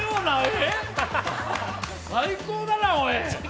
最高だな、おい。